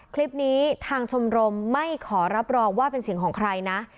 คลิปนี้ทางชมรมไม่ขอรับรองว่าเป็นเสียงของใครนะ